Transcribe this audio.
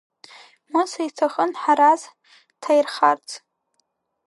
Мыса иҭахын Ҳараз дҭаирхарц.